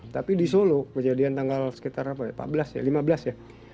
tapi di solo kejadian tanggal sekitar empat belas ya lima belas ya